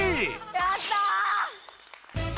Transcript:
やった！